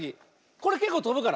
これけっこうとぶから。